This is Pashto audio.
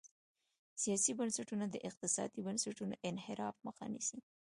سیاسي بنسټونه د اقتصادي بنسټونو انحراف مخه نیسي.